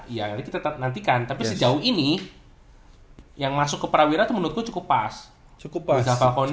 iya jadi kita nantikan tapi sejauh ini yang masuk ke prawira menurut gua cukup pas cukup pas